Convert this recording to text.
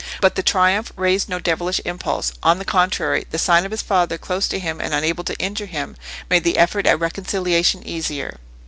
But the triumph raised no devilish impulse; on the contrary, the sight of his father close to him and unable to injure him, made the effort at reconciliation easier.